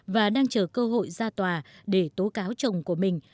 và đang chờ cơ hội ra tòa để tố cáo chồng của mình